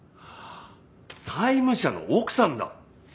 債務者の奥さんだ！